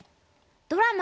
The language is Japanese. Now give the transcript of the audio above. ドラマ